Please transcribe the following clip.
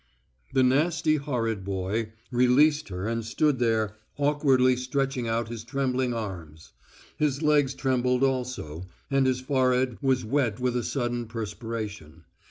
The nasty, horrid boy released her and stood there, awkwardly stretching out his trembling arms. His legs trembled also, and his forehead was wet with a sudden perspiration.